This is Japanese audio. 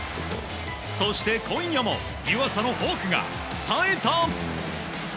そして、今夜も湯浅のフォークが冴えた！